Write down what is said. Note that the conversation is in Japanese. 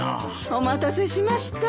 お待たせしました。